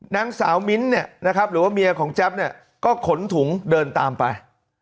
นางสาวมิ้นท์เนี่ยนะครับหรือว่าเมียของแจ๊บเนี่ยก็ขนถุงเดินตามไป